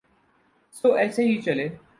سو ایسے ہی چلے۔